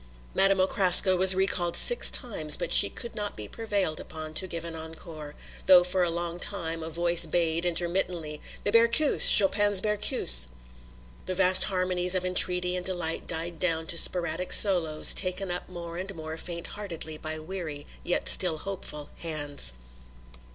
Madame Okraska was recalled six times, but she could not be prevailed upon to give an encore, though for a long time a voice bayed intermittently: "The Berceuse! Chopin's Berceuse!" The vast harmonies of entreaty and delight died down to sporadic solos, taken up more and more faint heartedly by weary yet still hopeful hands.